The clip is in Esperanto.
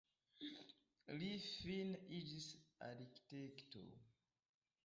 Li fine iĝis arkitekto.